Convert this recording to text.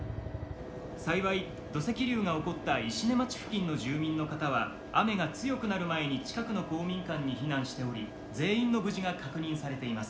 幸い土石流が起こった石音町付近の住民の方は雨が強くなる前に近くの公民館に避難しており全員の無事が確認されています」。